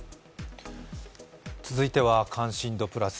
続いては「関心度プラス」。